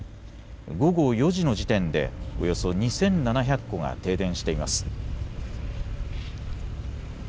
午後４時の時点で、およそ２７００戸が停電しています。